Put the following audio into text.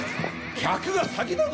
客が先だぞ！